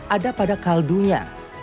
ada pada kaldunya